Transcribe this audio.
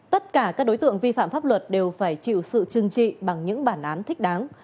tất cả các đối tượng vi phạm pháp luật đều phải chịu sự chừng trị bằng những bản án thích đáng